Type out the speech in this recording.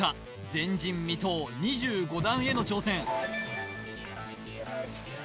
前人未到２５段への挑戦